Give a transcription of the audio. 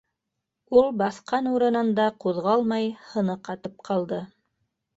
Ул баҫҡан урынында ҡуҙғалмай, һыны ҡатып ҡалды.